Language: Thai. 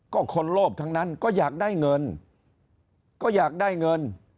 ก็คนโลภทั้งนั้นก็อยากได้เงินก็อยากได้เงิน